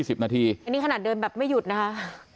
อันนี้ขนาดเดินแบบไม่หยุดนะคะ